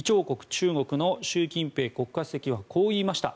中国の習近平国家主席はこう言いました。